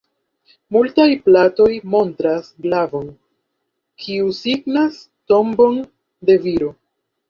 Multaj platoj montras glavon, kiu signas tombon de viro.